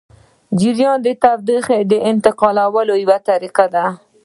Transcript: جریان د تودوخې د انتقالولو یوه طریقه ده.